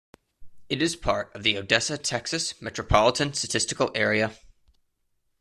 It is part of the Odessa, Texas, Metropolitan Statistical Area.